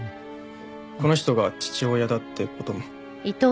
この人が父親だって事も。